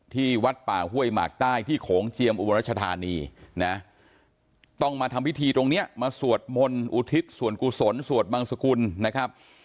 ที่อาคัชธมานิมามา